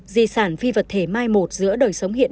di sản phi vật thể mai một giữa đời sống hiện